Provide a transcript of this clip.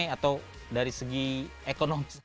atau dari segi ekonomi